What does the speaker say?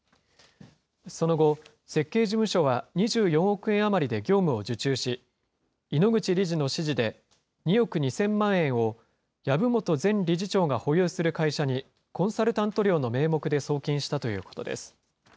その後、設計事務所は２４億円余りで業務を受注し、井ノ口理事の指示で、２億２０００万円を籔本前理事長が保有する会社に、コンサルタント料の名目で送金したということです。